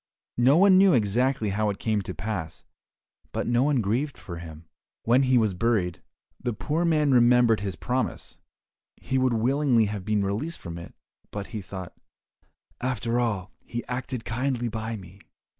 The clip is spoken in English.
No one knew exactly how it came to pass, but no one grieved for him. When he was buried, the poor man remembered his promise; he would willingly have been released from it, but he thought, "After all, he acted kindly by me.